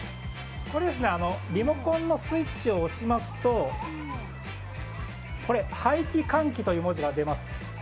これはリモコンのスイッチを押しますと排気換気という文字が出ます。